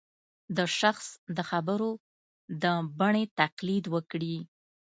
د شخص د خبرو د بڼې تقلید وکړي